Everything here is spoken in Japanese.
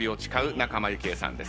仲間由紀恵さんです。